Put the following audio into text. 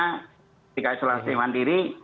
ketika isolasi mandiri